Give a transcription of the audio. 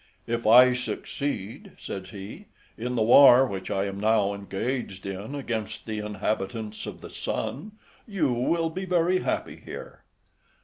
"If I succeed," says he, "in the war which I am now engaged in against the inhabitants of the sun, you will be very happy here."